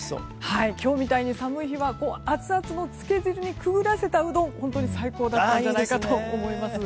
今日みたいに寒い日はアツアツのつけ汁にくぐらせたうどんが本当に最高じゃないかと思います。